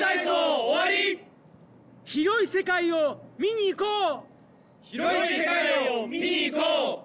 広い世界を見にいこう！